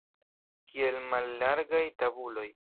Kiel mallarĝaj tabuloj!